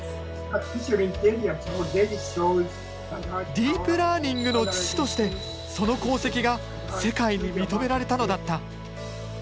ディープラーニングの父としてその功績が世界に認められたのだった。